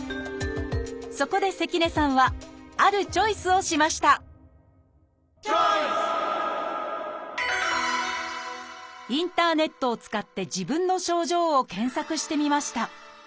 そこで関根さんはあるチョイスをしましたインターネットを使って自分の症状を検索してみました。